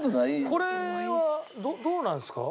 これはどうなんですか？